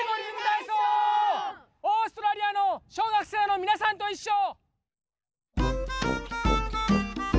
オーストラリアの小学生のみなさんといっしょ！